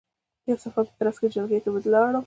د یوه سفر په ترځ کې جلگې ته ولاړم،